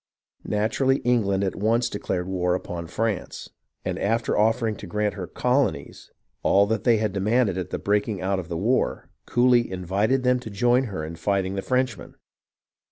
Naturally England at once declared war upon France, and after offering to grant to her " colonies " all that they had demanded at the breaking out of the war, coolly invited tJieni to join her in figJiting the Frene/iine>i.